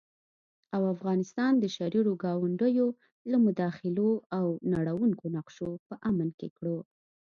او افغانستان د شريرو ګاونډيو له مداخلو او نړوونکو نقشو په امن کې کړو